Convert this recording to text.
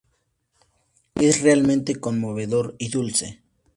Es realmente conmovedor y dulce".